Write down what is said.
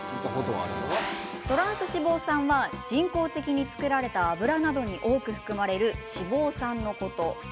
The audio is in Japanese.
トランス脂肪酸は人工的に作られた油などに多く含まれる脂肪酸。